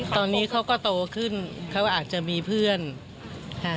ตอนนี้เขาก็โตขึ้นเขาอาจจะมีเพื่อนค่ะ